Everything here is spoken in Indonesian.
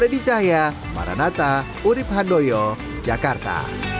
fredy cahaya maranata urib handoyo jakarta